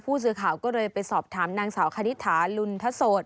ผู้สื่อข่าวก็เลยไปสอบถามนางสาวคณิตถาลุณฑโสด